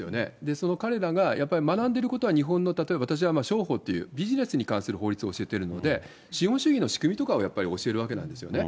その彼らがやっぱり学んでることは日本の例えば、私は商法っていう、ビジネスに関する法律を教えてるので、資本主義の仕組みとかをやっぱり教えるわけなんですよね。